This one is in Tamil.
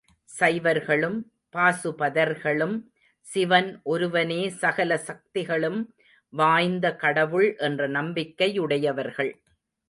சைவர்களும், பாசுபதர்களும் சிவன் ஒருவனே சகல சக்திகளும் வாய்ந்த கடவுள் என்ற நம்பிக்கையுடையவர்கள்.